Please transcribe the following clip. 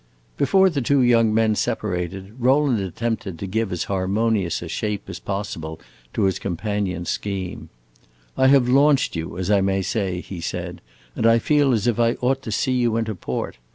Before the two young men separated Rowland attempted to give as harmonious a shape as possible to his companion's scheme. "I have launched you, as I may say," he said, "and I feel as if I ought to see you into port.